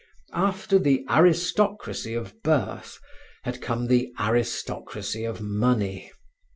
After the aristocracy of birth had come the aristocracy of money.